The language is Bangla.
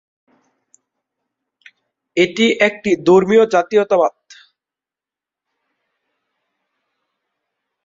এটি একটি ধর্মীয় জাতীয়তাবাদ।